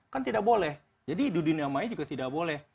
kan tidak boleh jadi dunia maya juga tidak boleh